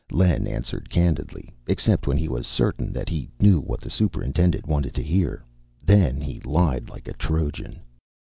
Len answered candidly, except when he was certain that he knew what the Superintendent wanted to hear; then he lied like a Trojan.